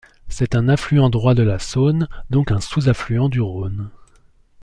C'est un affluent droit de la Saône, donc un sous-affluent du Rhône.